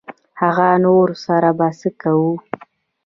هغه نورو سره به څه کوو.